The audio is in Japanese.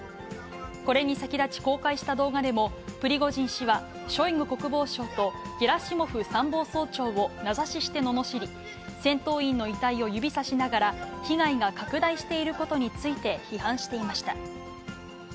これに先立ち、公開した動画でも、プリゴジン氏は、ショイグ国防相とゲラシモフ参謀総長を名指しして、ののしり、戦闘員の遺体を指さしながら、被害が拡大していることについて批判していました。